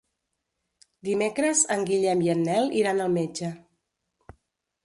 Dimecres en Guillem i en Nel iran al metge.